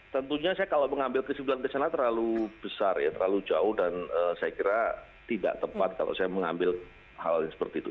tentunya saya kalau mengambil kesimpulan kesana terlalu besar ya terlalu jauh dan saya kira tidak tepat kalau saya mengambil hal yang seperti itu